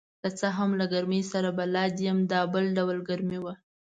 که څه هم له ګرمۍ سره بلد یم، دا بل ډول ګرمي وه.